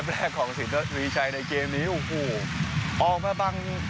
แรกของสินทวีชัยในเกมนี้โอ้โหออกมาบัง